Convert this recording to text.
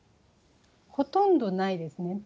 ほとんどないですね。